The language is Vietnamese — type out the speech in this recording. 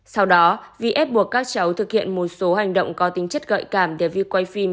sau đó vi ép buộc các cháu thực hiện một số hành động có tính chất gợi cảm để vi quay phim